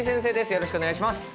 よろしくお願いします。